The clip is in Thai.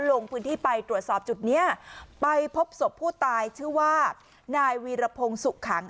ลงพื้นที่ไปตรวจสอบจุดเนี้ยไปพบศพผู้ตายชื่อว่านายวีรพงศ์สุขัง